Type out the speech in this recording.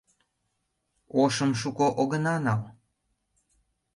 Ошым шуко огына нал.